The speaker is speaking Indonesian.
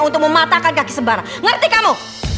untuk mematakan kaki sembarang ngerti kamu